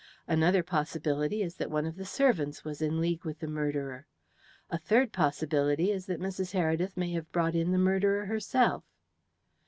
Another possibility is that one of the servants was in league with the murderer. A third possibility is that Mrs. Heredith may have brought in the murderer herself."